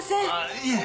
いえ。